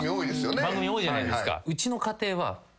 番組多いじゃないですか。